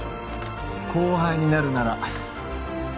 後輩になるなら